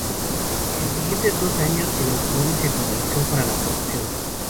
En los siguientes dos años, el automóvil se finalizó para la producción.